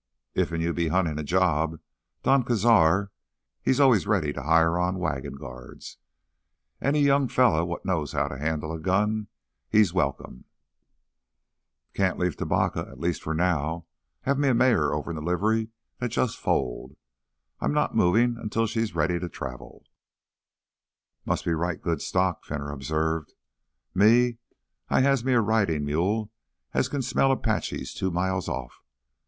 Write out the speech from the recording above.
"Iffen you be huntin' a job—Don Cazar, he's always ready to hire on wagon guards. Any young feller what knows how to handle a gun, he's welcome—" "Can't leave Tubacca, at least for now. Have me a mare over in the livery that just foaled. I'm not movin' until she's ready to travel—" "Must be right good stock," Fenner observed. "Me, I has me a ridin' mule as kin smell Apaches two miles off.